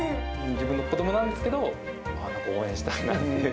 自分の子どもなんですけど、応援したいなっていう。